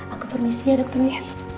aku permisi ya dokter michi